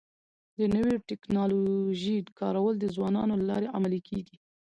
د نوي ټکنالوژۍ کارول د ځوانانو له لارې عملي کيږي.